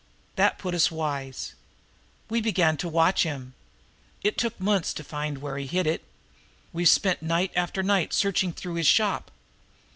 That put us wise. We began to watch him. It took months to find where he hid it. We've spent night after night searching through his shop.